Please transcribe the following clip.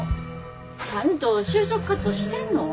ちゃんと就職活動してんの？